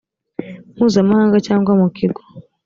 mpuzamahanga cyangwa mu kigo